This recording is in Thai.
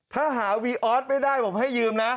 ถ้าหาวีออสไม่ได้ผมให้ยืมนะ